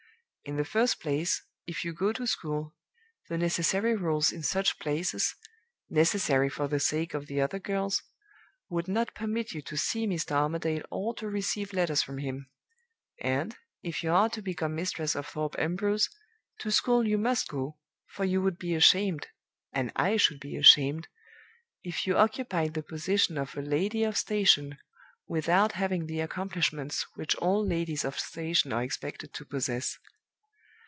In the first place, if you go to school, the necessary rules in such places necessary for the sake of the other girls would not permit you to see Mr. Armadale or to receive letters from him; and, if you are to become mistress of Thorpe Ambrose, to school you must go, for you would be ashamed, and I should be ashamed, if you occupied the position of a lady of station without having the accomplishments which all ladies of station are expected to possess.